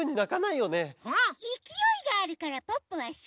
いきおいがあるからポッポはすき。